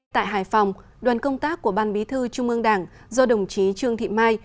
tại hải phòng đoàn công tác của ban bí thư trung ương đảng do đồng chí trương thị mai